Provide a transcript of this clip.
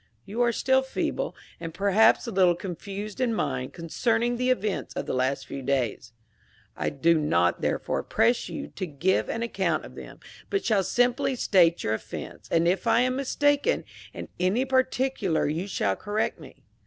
You are still feeble, and perhaps a little confused in mind concerning the events of the last few days: I do not therefore press you to give an account of them, but shall simply state your offense, and if I am mistaken in any particular you shall correct me.